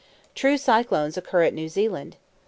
True cyclones occur at New Zealand.